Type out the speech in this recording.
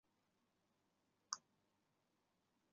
柯震东曾与萧亚轩和李毓芬交往。